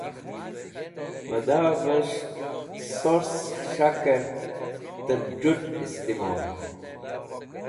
Mẽdeves̃h surs khẽs̃hakẽr tẽr d̃ũt istimol.